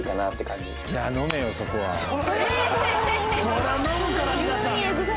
そりゃ飲むから皆さん。